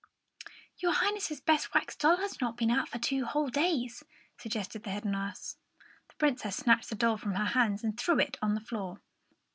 "Your Highness's best wax doll has not been out for two whole days," suggested the head nurse. The Princess snatched the doll from her hands and threw it on the floor.